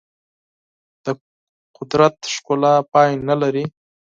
د قدرت ښکلا پای نه لري.